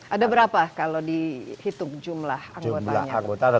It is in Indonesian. ada berapa kalau dihitung jumlah anggotanya